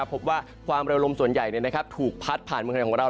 พบว่าความเร็วลมส่วนใหญ่ถูกพัดผ่านเมืองไทยของเรา